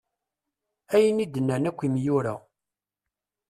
Ayen i d-nnan akk imyura.